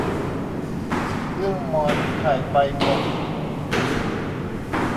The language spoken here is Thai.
เอื้องมอนไข่ใบมน